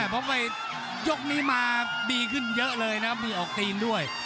เพราะไปยกนี้มาดีขึ้นเยอะเลยนะมีออกตีนด้วย